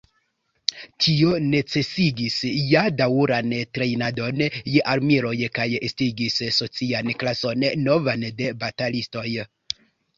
Tio necesigis ja daŭran trejnadon je armiloj kaj estigis socian klason novan de batalistoj.